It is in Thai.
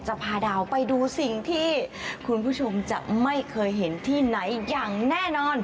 พาดาวไปดูสิ่งที่คุณผู้ชมจะไม่เคยเห็นที่ไหนอย่างแน่นอน